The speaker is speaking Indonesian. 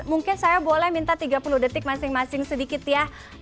mungkin saya boleh minta tiga puluh detik masing masing sedikit ya